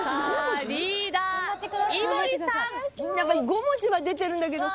５文字は出てるんだけど。